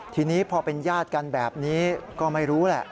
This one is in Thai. ทีนี้พอเป็นญาติกันแบบนี้ก็ไม่รู้แหละ